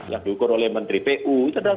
yang diukur oleh menteri pu itu adalah